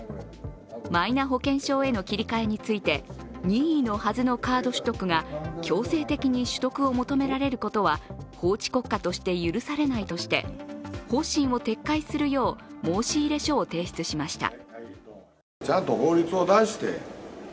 マイナ保険証への切り替えについて、任意のはずのカード取得が強制的に取得を求められることは法治国家として許されないとして方針を撤回するよう申入書を提出しました。